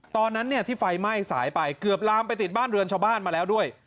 ตอนนั้นเนี่ยที่ไฟไหม้สายไปเกือบลามไปติดบ้านเรือนชาวบ้านมาแล้วด้วย